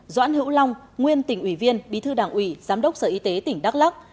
doãn hữu long nguyên tỉnh ủy viên bí thư đảng ủy giám đốc sở y tế tỉnh đắk lắc